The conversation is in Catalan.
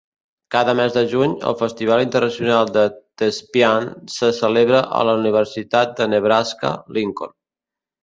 Cada mes de juny, el Festival Internacional de Thespian se celebra a la Universitat de Nebraska-Lincoln.